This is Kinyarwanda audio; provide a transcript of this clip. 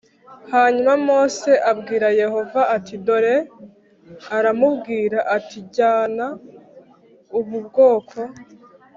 Hanyuma mose abwira yehova ati dore urambwira uti jyana ubu bwoko